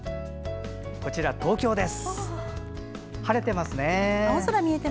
こちら、東京です。